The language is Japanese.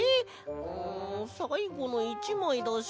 んさいごの１まいだし。